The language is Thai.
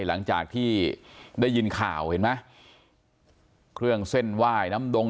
หลังจากที่ได้ยินข่าวเห็นไหมเครื่องเส้นไหว้น้ำดง